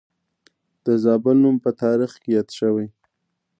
د زابل نوم په تاریخ کې یاد شوی